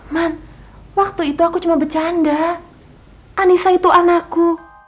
man waktu itu aku cuma bercanda anissa itu anakku